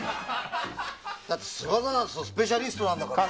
だって、菅原さんがスペシャリストなんだから。